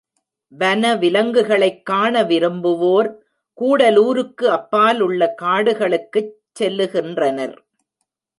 வன விலங்குகளைக் காண விரும்புவோர், கூடலூருக்கு அப்பால் உள்ள காடுகளுக்குச் செல்லுகின்றனர்.